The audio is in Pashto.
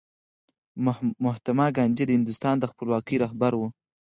مهاتما ګاندي د هندوستان د خپلواکۍ رهبر و.